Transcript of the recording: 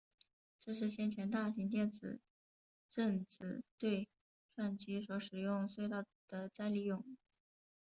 这是先前大型电子正子对撞机所使用隧道的再利用。